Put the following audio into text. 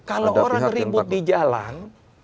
kalau orang ribut di jalan